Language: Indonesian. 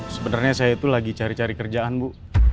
sebenarnya saya itu lagi cari cari kerjaan bu